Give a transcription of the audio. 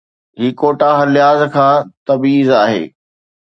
هي quota هر لحاظ کان تبعيض آهي.